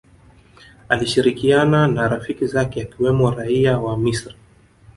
alishiriiiana na rafiki zake akiwemo Raia wa Misri